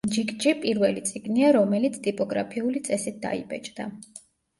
ჯიკჯი პირველი წიგნია, რომელიც ტიპოგრაფიული წესით დაიბეჭდა.